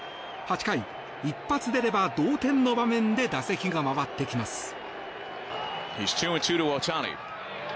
８回、一発出れば同点の場面で打席が回ってきます。